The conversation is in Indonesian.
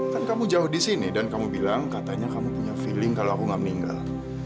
kan kamu jauh di sini dan kamu bilang katanya kamu punya feeling kalau aku gak meninggal